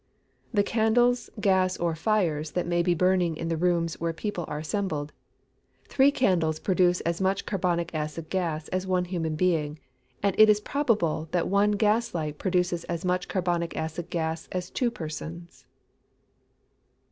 _ The candles, gas, or fires that may be burning in the rooms where people are assembled. Three candles produce as much carbonic acid gas as one human being; and it is probable that one gas light produces as much carbonic acid gas as two persons.